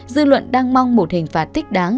dư luận đang mong một hình phạt thích đáng